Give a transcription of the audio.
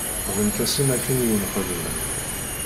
Xdemt-asen akken i wen-xedmen.